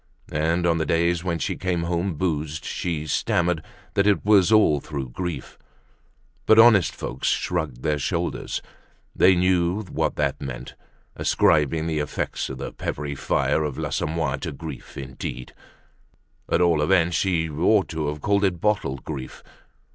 And on the days when she came home boozed she stammered that it was all through grief. But honest folks shrugged their shoulders. They knew what that meant: ascribing the effects of the peppery fire of l'Assommoir to grief, indeed! At all events, she ought to have called it bottled grief.